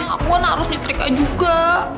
aku kan harus nyetrika juga